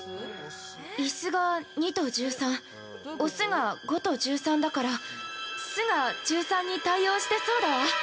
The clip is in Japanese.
◆「イス」が２と１３、「オス」が５と１３だから、「ス」が１３に対応してそうだわ。